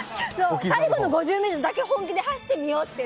最後の５０ｍだけ本気で走ってみようって。